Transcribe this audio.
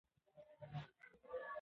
، نه ستړې کېدونکو هڅو، او پوهې ته